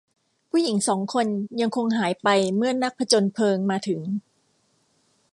ผู้หญิงสองคนยังคงหายไปเมื่อนักผจญเพลิงมาถึง